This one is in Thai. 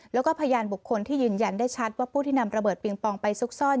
แล้วก็พยานบุคคลที่ยืนยันได้ชัดว่าผู้ที่นำระเบิดปิงปองไปซุกซ่อน